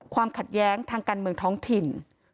ความขัดแย้งทางการเมืองท้องถิ่น